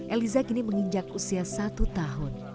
eliza kini menginjak usia satu tahun